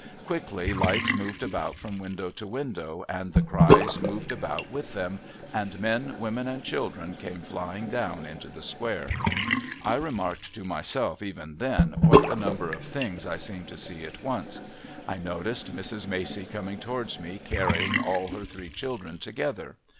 Quickly lights moved about from window to window, and the cries moved about with them, and men, women, and children came flying down into the square. I remarked to myself, even then, what a number of things I seemed to see at once. I noticed Mrs. Macey coming towards me, carrying all her three children together.